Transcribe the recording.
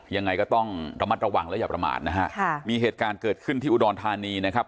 ยังไงก็ต้องระมัดระวังและอย่าประมาทนะฮะค่ะมีเหตุการณ์เกิดขึ้นที่อุดรธานีนะครับ